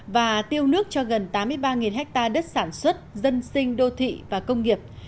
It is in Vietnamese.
và tiêu nước cho gần tám mươi ba ha đất sản xuất dân sinh đô thị và công nghiệp